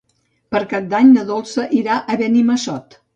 Per Cap d'Any na Dolça irà a Benimassot.